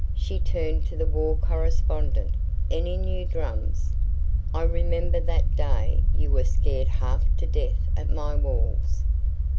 She turned to the war correspondent. "Any new drums?" "I remember that day. You were scared half to death at my walls."